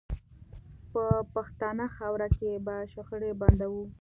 په پښتنه خاوره کې به شخړې بندوو